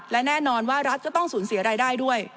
และแน่นอนว่ารัฐก็ต้องสูญเสียรายได้ด้วย